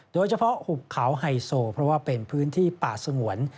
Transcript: หุบเขาไฮโซเพราะว่าเป็นพื้นที่ป่าสงวน